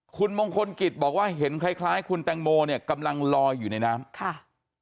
คุณมงคลกิจบอกว่าเห็นคล้ายคุณแตงโมเนี่ยกำลังลอยอยู่ในน้ำค่ะ